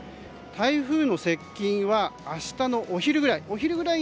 台風の接近は明日のお昼ぐらい。